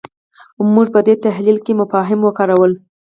موږ په دې تحلیل کې مفاهیم وکارول.